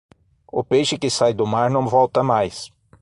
O peixe que sai do mar não volta mais.